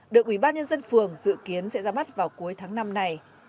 được ubnd phường dự kiến sẽ ra mắt vào cuối tháng năm này